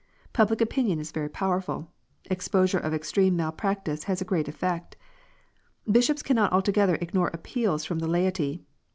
Public opinion is very powerful. Exposure of extreme mal practice has a great effect. Bishops cannot altogether ignore appeals from the laity.